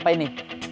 udah apa ini